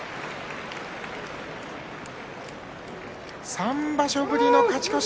３場所ぶりの勝ち越し。